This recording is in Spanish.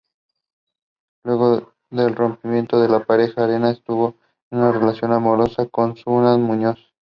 Luego del rompimiento de la pareja, Arenas entabló una relación amorosa con Sandra Muñoz.